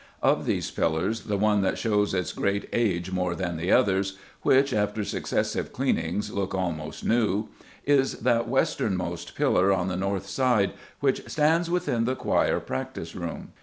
Of these pillars the one that shows its great age more than the others which, after successive cleanings, look almost new is that westernmost pillar on the north side which stands within the choir practice room.